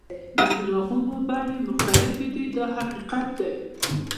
د څراغونو بڼې مختلفې دي دا حقیقت دی.